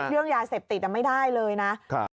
เรื่องยาเสพติดไม่ได้เลยนะ